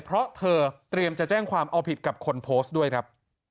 เพราะเธอเตรียมจะแจ้งความเอาผิดกับคนโพสต์ด้วยครับ